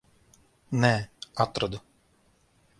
Nē, atradu.